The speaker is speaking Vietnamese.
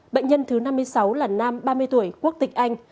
bệnh nhân thứ năm mươi sáu là nam ba mươi tuổi quốc tịch anh